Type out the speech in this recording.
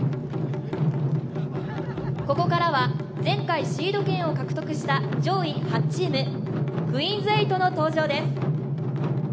ここからは前回シード権を獲得した上位８チーム、クイーンズ８の登場です。